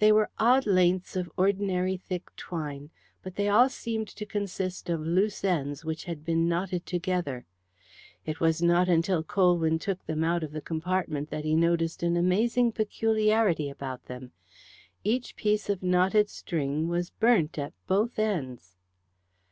They were odd lengths of ordinary thick twine, but they all seemed to consist of loose ends which had been knotted together. It was not until Colwyn took them out of the compartment that he noticed an amazing peculiarity about them. Each piece of knotted string was burnt at both ends.